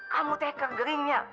kamu teh kergeringnya